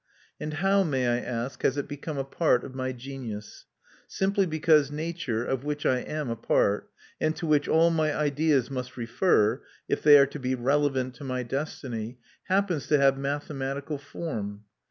And how, may I ask, has it become a part of my genius? Simply because nature, of which I am a part, and to which all my ideas must refer if they are to be relevant to my destiny, happens to have mathematical form.